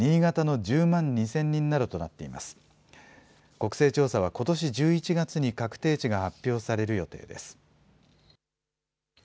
国勢調査はことし１１月に確定値が発表される予定です。